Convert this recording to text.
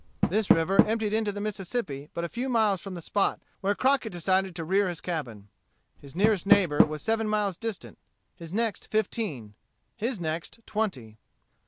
This river emptied into the Mississippi but a few miles from the spot where Crockett decided to rear his cabin. His nearest neighbor was seven miles distant, his next fifteen, his next twenty.